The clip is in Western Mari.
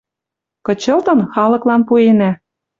Кычылтын, халыклан пуэнӓ.